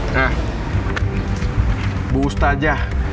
nah bu ustazah